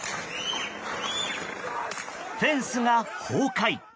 フェンスが崩壊。